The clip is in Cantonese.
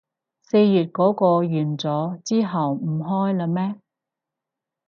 四月嗰個完咗，之後唔開喇咩